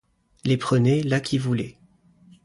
Les prenait là qui voulait.